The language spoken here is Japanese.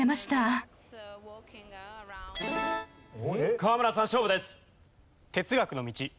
河村さん勝負です。